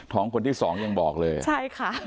คนที่สองยังบอกเลยใช่ค่ะ